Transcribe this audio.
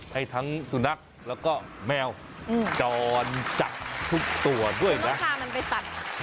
ให้ทั้งสุนัขและก็แมวจรจักทุกตัวด้วยนะ